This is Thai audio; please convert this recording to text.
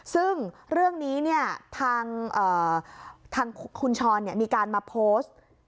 ซึ่งเรื่องนี้ทางคุณชรมีการมาโพสต์